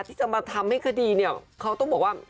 ที่จะมาทำให้คดีเนี่ยเขาต้องบอกว่า